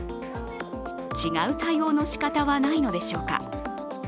違う対応のしかたはないのでしょうか。